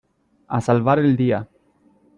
A salvar el día.